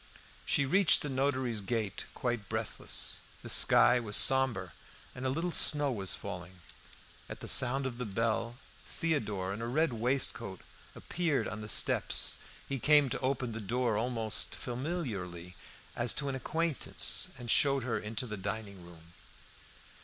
She reached the notary's gate quite breathless. The sky was sombre, and a little snow was falling. At the sound of the bell, Theodore in a red waistcoat appeared on the steps; he came to open the door almost familiarly, as to an acquaintance, and showed her into the dining room.